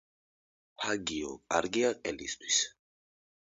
ფაგიო კარგია ყელისთვის